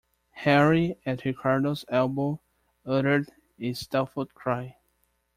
Harry at Ricardo's elbow uttered a stifled cry.